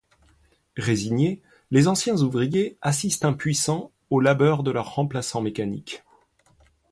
Résignés, les anciens ouvriers assistent impuissants au labeur de leurs remplaçants mécaniques.